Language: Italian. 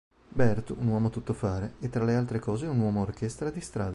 Bert, un uomo tuttofare, è tra le altre cose un uomo orchestra di strada.